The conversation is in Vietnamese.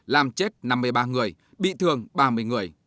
làm chết năm mươi ba người bị thương ba mươi người